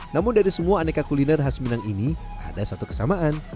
namun dari semua aneka kuliner khas minang ini ada satu kesamaan